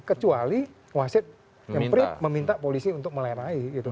kecuali wasit meminta polisi untuk melerai